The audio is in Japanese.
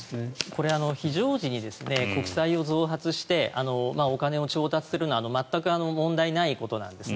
これは非常時に国債を増発してお金を調達するのは全く問題ないことなんです。